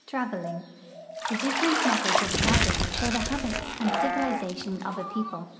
TRAVELING. The different methods of traveling show the habits and civiliza tion of a people.